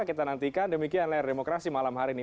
kita nantikan demikian layar demokrasi malam hari ini